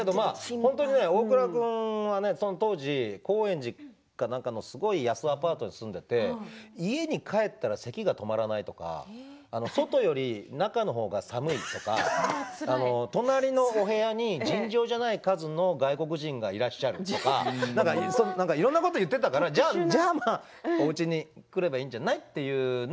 大倉君は、その当時高円寺かなんかの安いアパートに住んでいて家に帰ったらせきが止まらないとか外より中の方が寒いとか隣のお部屋に尋常じゃない数の外国人がいらっしゃるとかいろんなことを言っていたからじゃあ、うちに来ればいいんじゃないの？